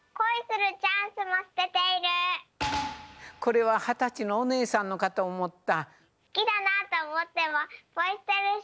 これははたちのおねえさんのかとおもった。